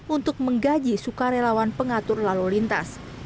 untuk menggaji sukarelawan pengatur lalu lintas